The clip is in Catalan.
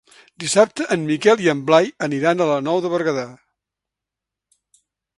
Dissabte en Miquel i en Blai aniran a la Nou de Berguedà.